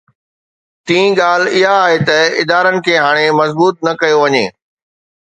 ٽين ڳالهه اها آهي ته ادارن کي هاڻي مضبوط نه ڪيو وڃي.